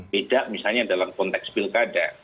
beda misalnya dalam konteks pilkada